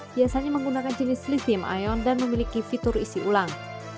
biasanya menggunakan jenis lithium ion dan memiliki fitur isi ulang